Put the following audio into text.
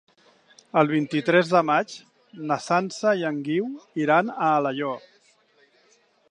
El vint-i-tres de maig na Sança i en Guiu iran a Alaior.